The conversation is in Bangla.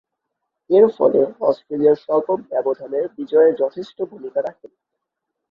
এরফলে, অস্ট্রেলিয়ার স্বল্প ব্যবধানের বিজয়ে যথেষ্ট ভূমিকা রাখেন।